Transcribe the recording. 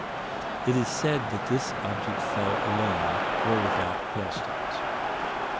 It is said that this object fell alone, or without hailstones.